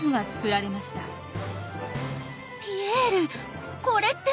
ピエールこれって。